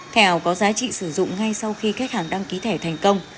thẻ ảo có giá trị sử dụng ngay sau khi khách hàng đăng ký thẻ thành công